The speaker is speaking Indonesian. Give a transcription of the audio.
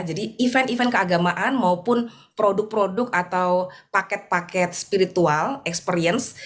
jadi event event keagamaan maupun produk produk atau paket paket spiritual experience